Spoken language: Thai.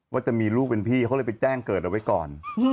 ว่าจะมีลูกเป็นพี่เขาเลยไปแจ้งเกิดเอาไว้ก่อน